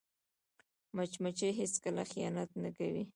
مچمچۍ هیڅکله خیانت نه کوي